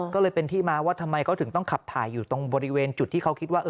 ก็เลยเป็นที่มาว่าทำไมเขาถึงต้องขับถ่ายอยู่ตรงบริเวณจุดที่เขาคิดว่า